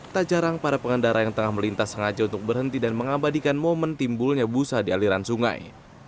tak jarang para pengendara yang tengah melintas sengaja untuk berhenti dan mengabadikan momen timbulnya busa di aliran sungai